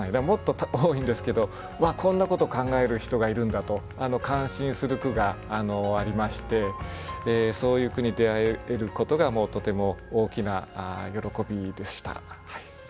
もっと多いんですけどわっこんなこと考える人がいるんだと感心する句がありましてそういう句に出会えることがとても大きな喜びでした。